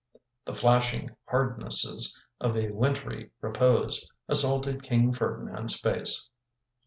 The flashing hardnesses of a wintry repose assaulted King Ferdinand's face.